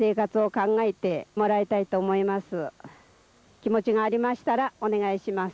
気持ちがありましたらお願いします。